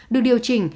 được điều chỉnh